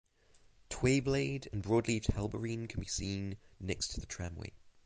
Twayblade and broadleaved helleborine can be seen next to the tramway.